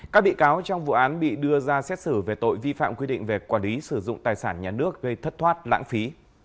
các bị cáo trong vụ án bị đưa ra xét xử về tội vi phạm quy định về quản lý sử dụng tài sản nhà nước gây thất thoát lãng phí